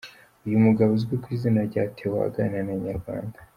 Uyu mugabo uzwi ku izina rya Theos aganira na Inyarwanda.